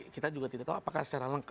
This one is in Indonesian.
kita juga tidak tahu apakah secara lengkap